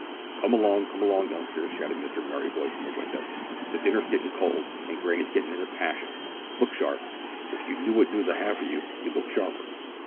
"Come along, come along, youngsters," shouted Mr Merryboy from the window, "the dinner's gettin' cold, and granny's gettin' in a passion. Look sharp. If you knew what news I have for you you'd look sharper."